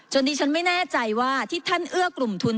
ดิฉันไม่แน่ใจว่าที่ท่านเอื้อกลุ่มทุน